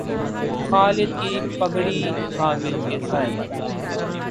خالد کی پگڑی حامد کے سر